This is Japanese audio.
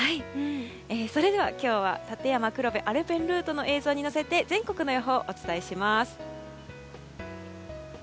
それでは今日は立山黒部アルペンルートの映像に乗せて全国の予報をお伝えします。